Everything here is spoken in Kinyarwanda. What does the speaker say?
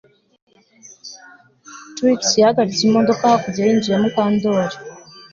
Trix yahagaritse imodoka hakurya yinzu ya Mukandoli